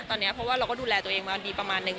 ตอนนี้เพราะว่าเราก็ดูแลตัวเองมาดีประมาณนึง